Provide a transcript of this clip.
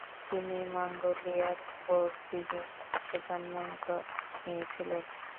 তিনি মঙ্গোলিয়ার বোরজিগিন বংশে জন্ম নিয়েছিলেন।